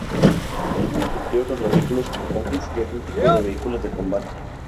Es muy efectiva contra vehículos como tanques y otro tipo de vehículos de combate.